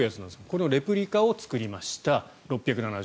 このレプリカを作りました。